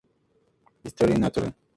Histoire naturelle.